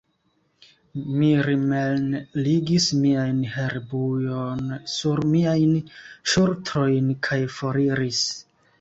Mi rimenligis mian herbujon sur miajn ŝultrojn kaj foriris.